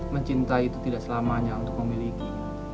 mencintai itu tidak selamanya untuk memiliki